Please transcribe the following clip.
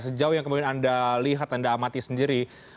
sejauh yang kemudian anda lihat anda amati sendiri